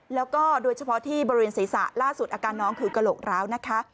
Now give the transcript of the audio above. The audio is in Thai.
แล้วก็โดยเฉพาะที่บริเวณศีรษะล่าสุดอาการน้องคือกระโหลกร้าวนะคะ